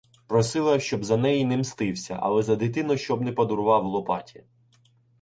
Просила, щоб за неї не мстився, але за дитину щоб не подарував Лопаті.